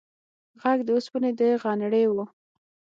غږ د اوسپنې د غنړې و.